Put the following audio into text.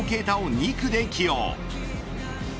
２区で起用。